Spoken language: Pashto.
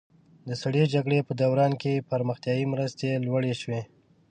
د سړې جګړې په دوران کې پرمختیایي مرستې لوړې شوې.